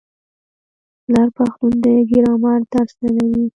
لر پښتون د ګرامر درس نه لري.